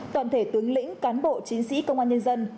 toàn thể tướng lĩnh cán bộ chiến sĩ công an nhân dân